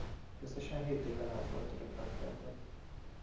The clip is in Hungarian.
Összesen hét éven át volt török rabságban.